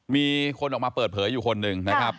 มีคนออกมาเปิดเผยอยู่คนหนึ่งนะครับ